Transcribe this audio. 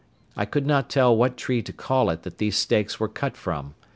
I could not tell what tree to call it that these stakes were cut from.